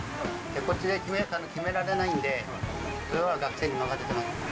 こっちで決められないんで、それは学生に任せてます。